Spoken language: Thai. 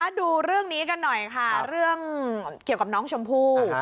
ดูเรื่องนี้กันหน่อยค่ะเรื่องเกี่ยวกับน้องชมพู่